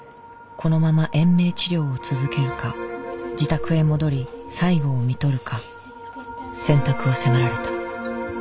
このまま延命治療を続けるか自宅へ戻り最期をみとるか選択を迫られた。